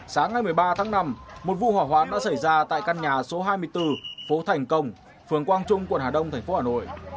sáng ngày một mươi ba tháng năm một vụ hỏa hoạn đã xảy ra tại căn nhà số hai mươi bốn phố thành công phường quang trung quận hà đông tp hà nội